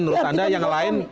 menurut anda yang lain